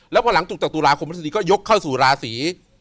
แล้วพอหลังจุดจากตุลาคมพระเศรษฐีก็ยกเข้าสู่ราศรี